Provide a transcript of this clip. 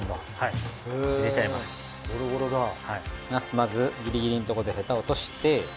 まずギリギリのところでヘタを落として。